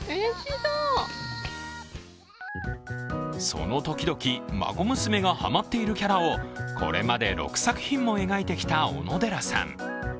その時々、孫娘がハマっているキャラをこれまで６作品も描いてきた小野寺さん。